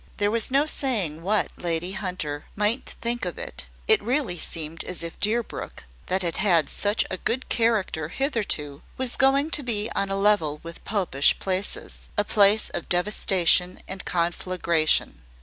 There was no saying what Lady Hunter might think of it; it really seemed as if Deerbrook, that had had such a good character hitherto, was going to be on a level with Popish places a place of devastation and conflagration.